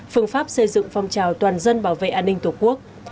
phương pháp xây dựng phong trào toàn dân bảo vệ an ninh tổ quốc